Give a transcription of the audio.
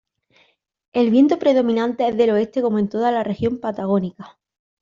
El viento predominante es del oeste como en toda la región patagónica.